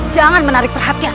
jangan menarik perhatian